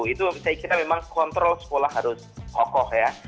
itu saya kira memang kontrol sekolah harus kokoh ya